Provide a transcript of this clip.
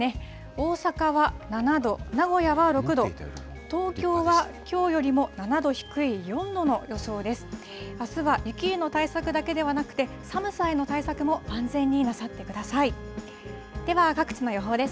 大阪は７度、名古屋は６度、東京はきょうよりも７度低い４度の予想です。